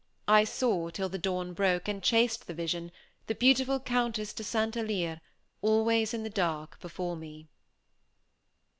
I saw, till the dawn broke, and chased the vision, the beautiful Countess de St. Alyre, always in the dark, before me.